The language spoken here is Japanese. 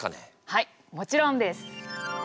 はいもちろんです。